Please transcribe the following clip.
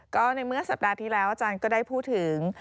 ก็ในเมื่อสัปดาห์ที่แล้วอาจารย์ก็ได้พูดถึง